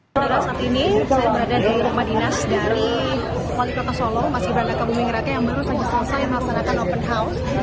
sebelumnya mas gibran ini meraksanakan suatid di halaman wilayah kota